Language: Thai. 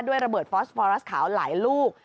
ระเบิดฟอสฟอรัสขาวหลายลูก